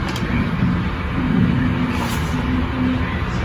胜出设计者为建筑师。